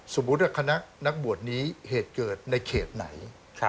สมมุติว่าคณะนักบวชนี้เหตุเกิดในเขตไหน